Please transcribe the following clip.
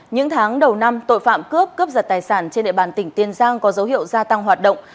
những tháng đầu năm tội phạm cướp cướp giật tài sản trên địa bàn tỉnh tiên giang có dấu hiệu gia tăng hoạt động